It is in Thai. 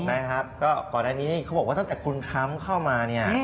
นะครับก็ก่อนอันนี้เขาบอกว่าตั้งแต่คุณทรัมป์เข้ามาเนี่ย